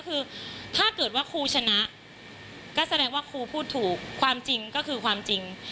คือถ้าเกิดว่าครูชนะก็แสดงว่าครูพูดถูกความจริงก็คือความจริง